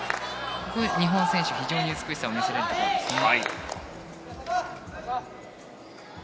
日本選手、非常に美しさを見せられるところですね。